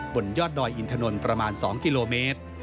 บนยอดดอยอินถนนประมาณ๒กิโลเมตร